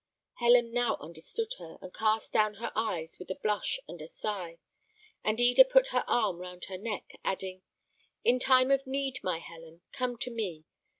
Helen now understood her, and cast down her eyes with a blush and a sigh; and Eda put her arm round her neck, adding, "In time of need, my Helen, come to me.